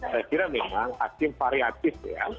saya kira memang hakim variatif ya